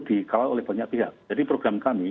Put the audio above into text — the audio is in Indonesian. dikawal oleh banyak pihak jadi program kami